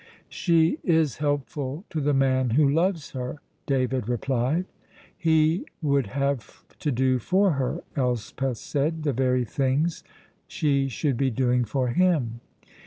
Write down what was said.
"She is helpful to the man who loves her," David replied. "He would have to do for her," Elspeth said, "the very things she should be doing for him."